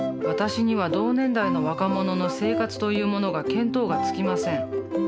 私には同年代の若者の生活というものが見当がつきません。